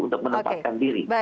untuk menempatkan diri